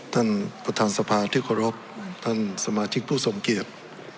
ท่านประธานสภาที่เคารพท่านสมาชิกผู้ทรงเกียจ